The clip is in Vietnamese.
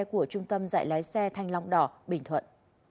của trung tâm dạy lái xe thanh long đỏ bình thuận